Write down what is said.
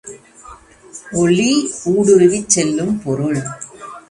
ஒளி ஊடுருவிச் செல்லும் பொருள்.